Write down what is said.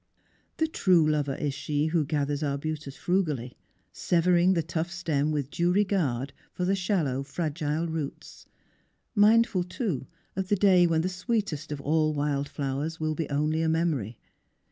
The true lover is she who gathers arbutus frugally, severing the tough stem with due regard for the shallow, fragile roots; mindful too of the day when the sweetest of all wild flowers will be only a memory.